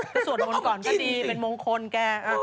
สวดมนต์ก่อนก็ดีเป็นมงคลแก่